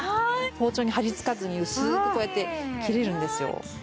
包丁に張りつかずに薄くこうやって切れるんですよ。